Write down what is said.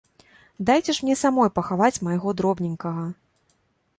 Дайце ж мне самой пахаваць майго дробненькага.